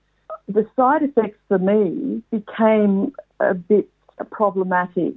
pengalaman di sisi saya menjadi sedikit problematik